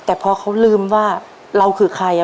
แต่พอเขาลืมว่าเราคือใคร